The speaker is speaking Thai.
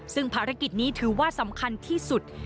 ซึ่งภารกิจนี้ถือว่าสำคัญที่สุด